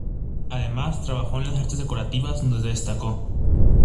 Además trabajó en las artes decorativas donde se destacó.